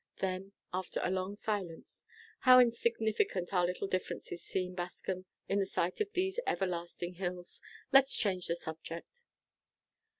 Then, after a long silence: "How insignificant our little differences seem, Bascom, in the sight of these everlasting hills! Let's change the subject."